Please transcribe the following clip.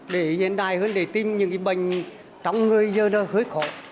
để hiện đại hơn để tìm những bệnh trong người dân hơi khó